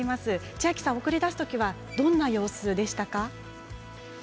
千明さん、送り出すときはどんな様子でしたか？